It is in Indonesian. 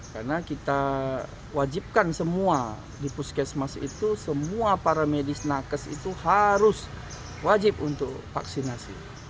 karena kita wajibkan semua di puskesmas itu semua para medis nakes itu harus wajib untuk vaksinasi